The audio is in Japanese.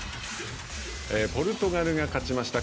ポルトガルが勝ちました。